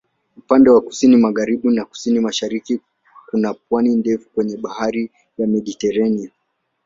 Upande wa kusini-magharibi na kusini-mashariki kuna pwani ndefu kwenye Bahari ya Mediteranea.